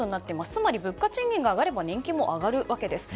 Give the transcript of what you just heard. つまり物価、賃金が上がれば年金も上がるわけです。